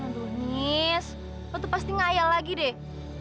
aduh nis lo tuh pasti ngayal lagi deh